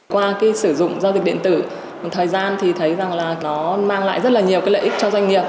qua cái sử dụng giao dịch điện tử thời gian thì thấy rằng là nó mang lại rất là nhiều cái lợi ích cho doanh nghiệp